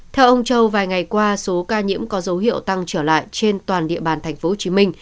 theo ông châu vài ngày qua số ca nhiễm có dấu hiệu tăng trở lại trên toàn địa bàn tp hcm